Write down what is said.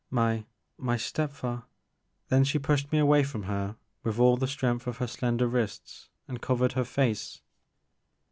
My — my step fa *' Then she pushed me away from her with all the strength of her slender wrists and covered her face.